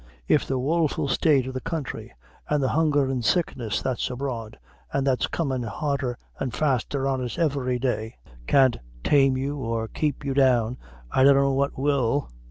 If the woeful state of the country, an' the hunger an' sickness that's abroad, an' that's comin' harder an' faster on us every day, can't tame you or keep you down, I dunna what will.